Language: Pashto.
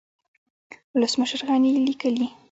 ولسمشر غني ليکلي